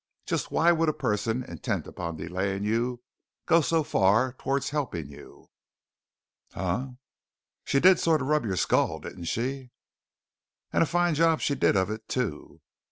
Just why would a person intent upon delaying you go so far towards helping you?" "Huh?" "She did sort of rub your skull, didn't she?" "And a fine job she did of it, too."